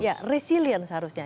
ya resilience seharusnya